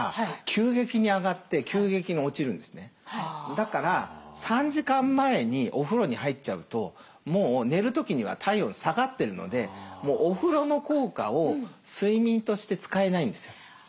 だから３時間前にお風呂に入っちゃうともう寝る時には体温下がってるのでもうお風呂の効果を睡眠として使えないんですよ。